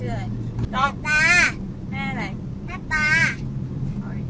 เฮ้ย